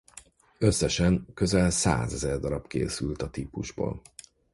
Összesen közel százezer darab készült a típusból.